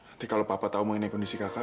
nanti kalau papa tahu mengenai kondisi kakak